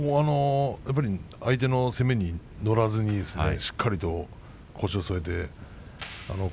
相手の攻めに乗らずにしっかりと腰を据えていた。